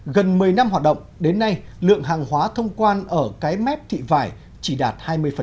gần một mươi năm hoạt động đến nay lượng hàng hóa thông quan ở cái mép thị vải chỉ đạt hai mươi